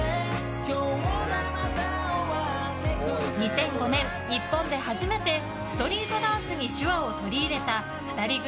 ２００５年、日本で初めてストリートダンスに手話を取り入れた２人組